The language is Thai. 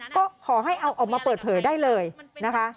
ก็ขอให้เอาออกมาเปิดเผยได้เลยนะคะ